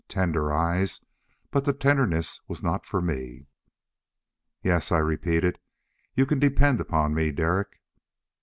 Tender eyes, but the tenderness was not for me. "Yes," I repeated. "You can depend upon me, Derek."